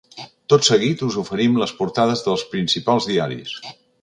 Tot seguit, us oferim les portades dels principals diaris.